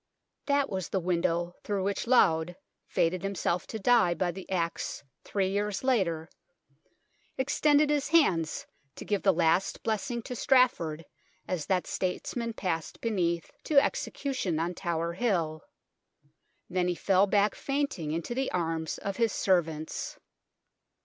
That was the window through which Laud, fated himself to die by the axe three years later, extended his hands to give the last blessing to Straff ord as that statesman passed beneath to execu tion on Tower Hill. Then he fell back fainting into the arms of his servants.